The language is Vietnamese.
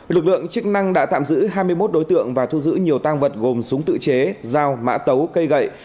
lực lượng chức năng đã tạm giữ hai mươi một đối tượng và thu giữ nhiều tăng vật gồm súng tự chế dao mã tấu cây gậy